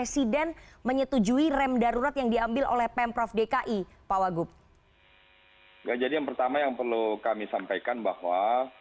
selamat malam mbak nana